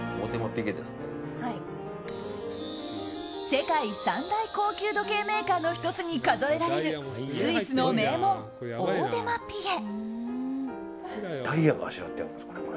世界三大高級時計メーカーの１つに数えられるスイスの名門、オーデマピゲ。